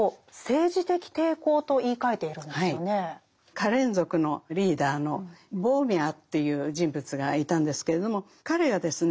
カレン族のリーダーのボーミャという人物がいたんですけれども彼がですね